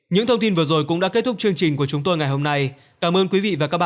những thông tin vừa rồi cũng đã kết thúc chương trình của chúng tôi ngày hôm nay cảm ơn quý vị và các bạn